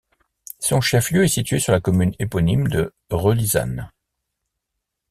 Son chef-lieu est situé sur la commune éponyme de Relizane.